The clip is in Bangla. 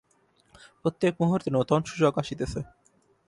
প্রত্যেক মুহূর্তে নূতন সুযোগ আসিতেছে।